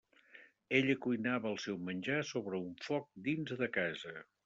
Ella cuinava el seu menjar sobre un foc dins de casa.